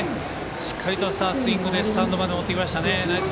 しっかりしたスイングでスタンドまで持っていきました。